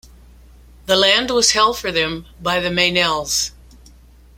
The land was held for them by the Meynells.